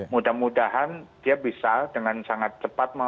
mudah mudahan dia bisa dengan sangat cepat